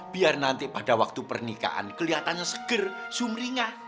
biar nanti pada waktu pernikahan kelihatannya seger sumringah